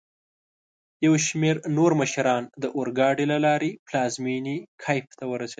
یوشمیرنورمشران داورګاډي له لاري پلازمېني کېف ته ورسېدل.